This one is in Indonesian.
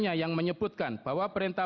yang menyebutkan bahwa perintah